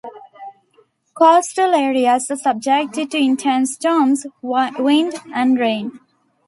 Coastal areas are subject to intense storms, wind, and rain.